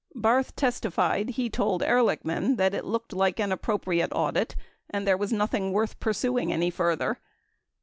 Barth testified he told Ehrlichman that it looked like an appropriate audit and there was nothing worth pursuing any further.